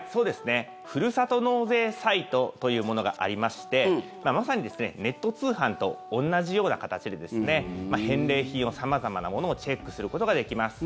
ふるさと納税サイトというものがありましてまさにネット通販と同じような形で返礼品を、様々なものをチェックすることができます。